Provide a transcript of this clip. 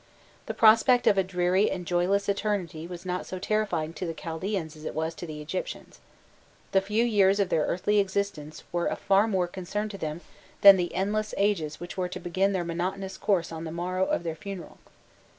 This prospect of a dreary and joyless eternity was not so terrifying to the Chaldaeans as it was to the Egyptians. The few years of their earthly existence were of far more concern to them than the endless ages which were to begin their monotonous course on the morrow of their funeral.